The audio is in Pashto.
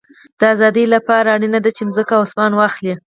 د آزادۍ له پاره اړینه ده، چي مځکه او اسمان واخلې.